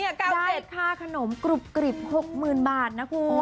เนี่ย๙๗ได้ค่าขนมกรุบกริบ๖๐๐๐๐บาทนะคุณ